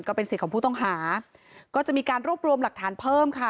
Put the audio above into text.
สิทธิ์ของผู้ต้องหาก็จะมีการรวบรวมหลักฐานเพิ่มค่ะ